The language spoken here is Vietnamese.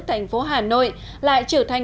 thành phố hà nội lại trở thành